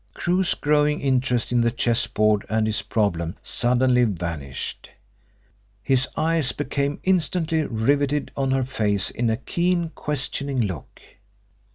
Crewe's growing interest in the chessboard and his problem suddenly vanished. His eyes became instantly riveted on her face in a keen, questioning look.